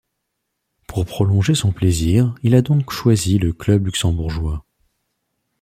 Pour prolonger son plaisir il a donc choisit le club Luxembourgeois.